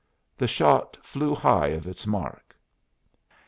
The shot flew high of its mark.